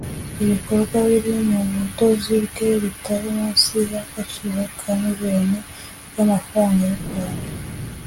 ibikorwa biri mu budozi bwe bitari munsi y’agaciro ka miliyoni y’amafaranga y’u Rwanda